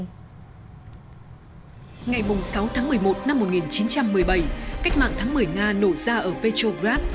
ngày sáu tháng một mươi một năm một nghìn chín trăm một mươi bảy cách mạng tháng một mươi nga nổ ra ở petrograd